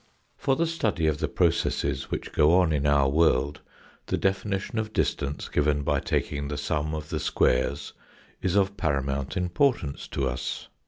For the study of the processes which go on in our world the definition of distance given by taking the sum of the squares is of paramount importance to us.